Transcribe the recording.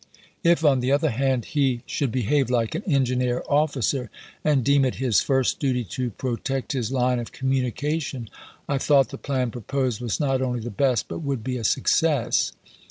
If, on the other hand, he should behave like an engineer officer, and deem it his first duty to protect his line of communication, I thought the plan proposed was not only the best, but would be a success.